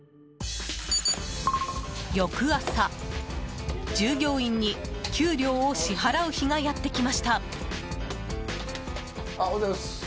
翌朝、従業員に給料を支払う日がやってきました。